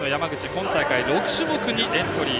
今大会６種目にエントリー。